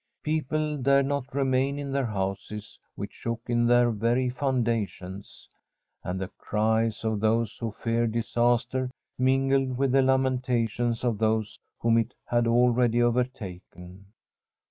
People dared not remain in their houses, which shook in their very foundations. And the cries of those who feared disaster min gled with the lamentations of those whom it had already overtaken.